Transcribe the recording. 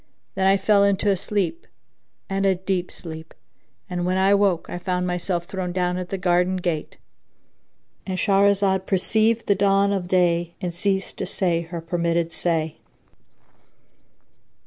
Then I fell into a sleep and a deep sleep; and when I awoke, I found myself thrown down at the garden gate,—And Shahrazad perceived the dawn of day and ceased to say her permitted say.